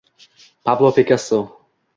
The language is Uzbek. Pablo Pikasso